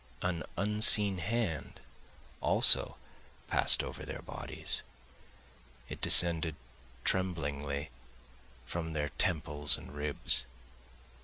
An unseen hand also pass'd over their bodies, It descended tremblingly from their temples and ribs.